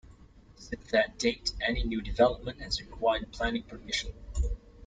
Since that date any new "development" has required planning permission.